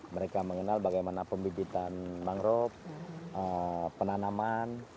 mereka mengenal bagaimana pembibitan mangrove penanaman